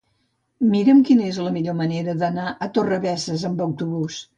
Mira'm quina és la millor manera d'anar a Torrebesses amb autobús.